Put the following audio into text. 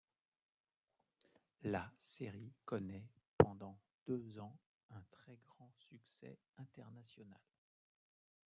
La série connaît pendant deux ans un très grand succès international.